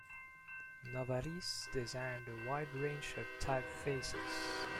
Novarese designed a wide range of typefaces.